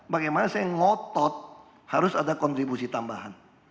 bagaimana saya ngotot harus ada kontribusi tambahan